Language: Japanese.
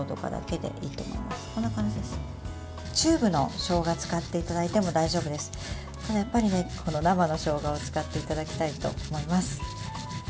でもやっぱり、生のしょうがを使っていただきたいと思います。